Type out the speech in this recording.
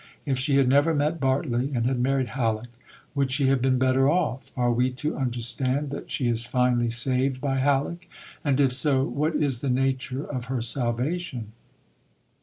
If she had never met Bartley, and had married Halleck, would she have been better off? are we to understand that she is finally saved by Halleck? and if so, what is the nature of her salvation?